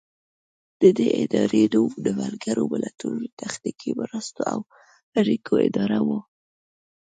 د دې ادارې نوم د ملګرو ملتونو د تخنیکي مرستو او اړیکو اداره و.